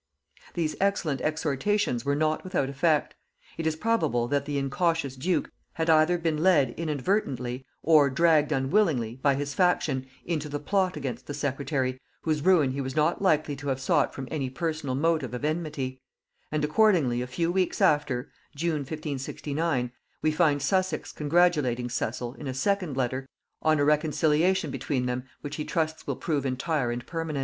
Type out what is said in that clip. These excellent exhortations were not without effect: it is probable that the incautious duke had either been led inadvertently or dragged unwillingly, by his faction, into the plot against the secretary, whose ruin he was not likely to have sought from any personal motive of enmity; and accordingly a few weeks after (June 1569) we find Sussex congratulating Cecil, in a second letter, on a reconciliation between them which he trusts will prove entire and permanent.